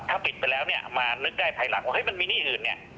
ถ้าปิดไปแล้วเนี่ยมานึกได้ภายหลังว่ามันมีหนี้อื่นเนี่ย